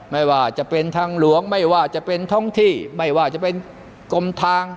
ไม่ว่าจะเป็นทางหลวงไม่ว่าจะเป็นท้องที่ไม่ว่าจะเป็นกรมทาง